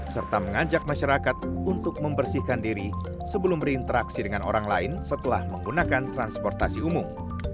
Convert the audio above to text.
serta mengajak masyarakat untuk membersihkan diri sebelum berinteraksi dengan orang lain setelah menggunakan transportasi umum